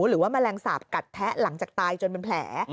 หรือว่าแมลงสาปกัดแทะหลังจากตายจนเป็นแผล